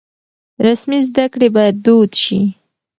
رسمي زده کړې بايد دود شي.